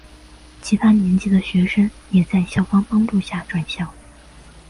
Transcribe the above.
其他年级的学生也在校方帮助下转校。